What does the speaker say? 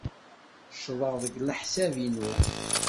Ccḍeɣ deg leḥsab-inu.